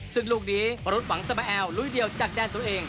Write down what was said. ซึ่งลูกนี้วรุษหวังสมแอลลุยเดียวจากแดนตัวเอง